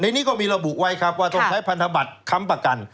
นี้ก็มีระบุไว้ครับว่าต้องใช้พันธบัตรค้ำประกัน